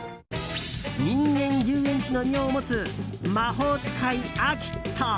人間遊園地の異名を持つ魔法使いアキット。